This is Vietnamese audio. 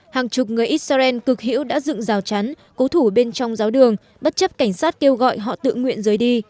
hàng chục người israel cực hữu đã dựng rào chắn cố thủ bên trong giáo đường bất chấp cảnh sát kêu gọi họ tự nguyện rời đi